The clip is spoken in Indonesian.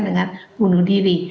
karena bunuh diri